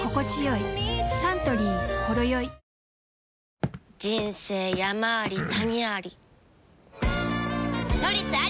サントリー「ほろよい」人生山あり谷あり「トリス」あり！